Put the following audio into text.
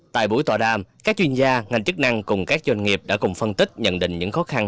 tại buổi tọa đàm các chuyên gia ngành chức năng cùng các doanh nghiệp đã cùng phân tích nhận định những khó khăn